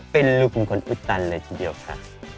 เป็นลูกเป็นคนอุดตันเลยทีเดียวค่ะ